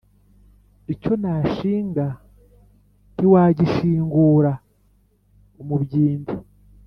Icyo nashinga ntiwagishingura-Umubyindi.